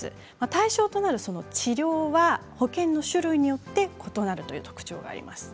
対象となる治療は保険の種類によって異なるという特徴があります。